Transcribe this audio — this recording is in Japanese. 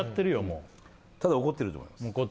もうただ怒ってると思います